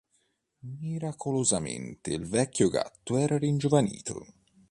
Miracolosamente il vecchio gatto era ringiovanito.